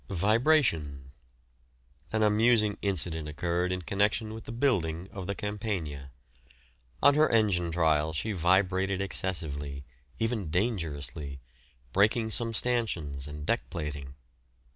VIBRATION. An amusing incident occurred in connection with the building of the "Campania." On her engine trial she vibrated excessively, even dangerously, breaking some stanchions and deck plating.